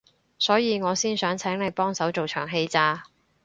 所以我先想請你幫手做場戲咋